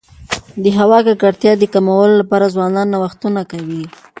د هوا د ککړتیا د کمولو لپاره ځوانان نوښتونه کوي.